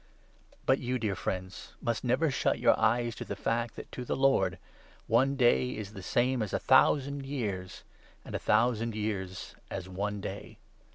'The Day But you, dear friends, must never shut your eyes 8 of the to the fact that, to the Lord, one day is the same as Lord'' a thousand years, and a thousand years as one day.